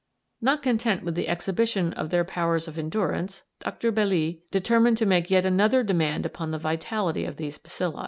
Not content with the exhibition of their powers of endurance, Dr. Belli determined to make yet another demand upon the vitality of these bacilli.